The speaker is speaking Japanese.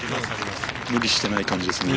無理してない感じですね。